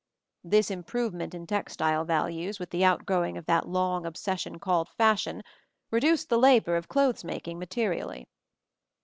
This improvement in textile values, with the outgrowing of that long obsession called fashion, reduced the labor of clothes making materially.